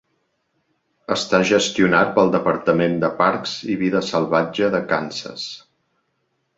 Està gestionat pel Departament de Parcs i Vida Salvatge de Kansas.